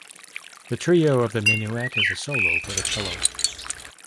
The trio of the minuet is a solo for the cello.